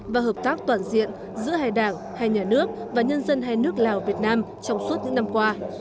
và hợp tác toàn diện giữa hai đảng hai nhà nước và nhân dân hai nước lào việt nam trong suốt những năm qua